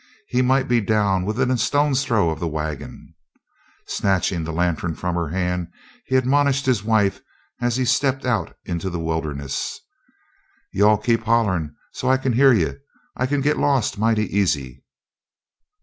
He might be down within a stone's throw of the wagon." Snatching the lantern from her hand he admonished his wife as he stepped out into the wilderness: "You all keep hollerin' so I can hear you. I kin git lost mighty easy."